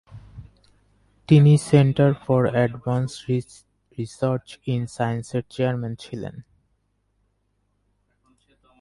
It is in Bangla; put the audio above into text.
তিনি centre for advanced research in সায়েন্সেসের চেয়ারম্যান ছিলেন।